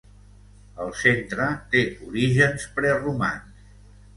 El centre té orígens preromans.